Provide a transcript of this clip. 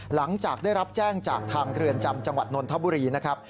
หลังจากได้รับแจ้งจากทางเรือนจำจังหวัดนนทบุรีนะครับ